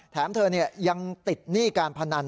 แถมเธอยังติดหนี้การพนัน